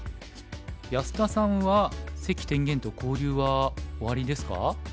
安田さんは関天元と交流はおありですか？